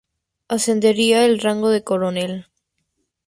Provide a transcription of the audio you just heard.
Ascendería al rango de coronel.